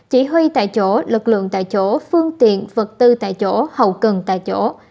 chỉ huy tại chỗ lực lượng tại chỗ phương tiện vật tư tại chỗ hậu cần tại chỗ